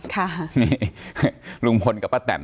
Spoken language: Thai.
การแก้เคล็ดบางอย่างแค่นั้นเอง